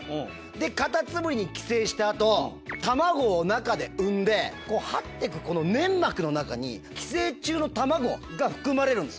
でカタツムリに寄生した後卵を中で産んではってく粘膜の中に寄生虫の卵が含まれるんです。